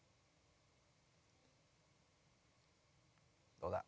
どうだ？